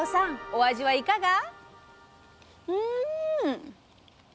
お味はいかが？